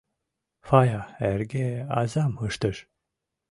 Фая эрге азам ыштыш.